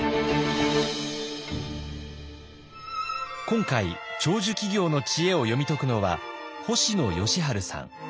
今回長寿企業の知恵を読み解くのは星野佳路さん。